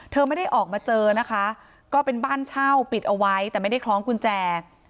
ไม่ได้ออกมาเจอนะคะก็เป็นบ้านเช่าปิดเอาไว้แต่ไม่ได้คล้องกุญแจ